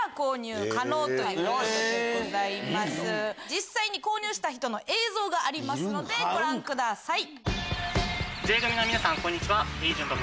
実際に購入した人の映像がありますのでご覧ください。